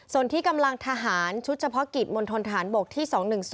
ส่วนที่กำลังทหารชุดเฉพาะกิจมณฑนฐานบกที่๒๑๐